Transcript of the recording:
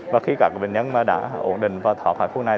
và khi các bệnh nhân đã ổn định và thoát khỏi khu này